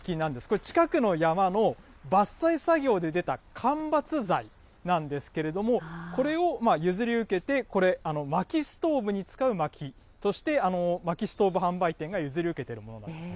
これ、近くの山の伐採作業で出た間伐材なんですけれども、これを譲り受けて、これ、まきストーブに使うまきとして、そしてまきストーブ販売店が譲り受けているものなんです。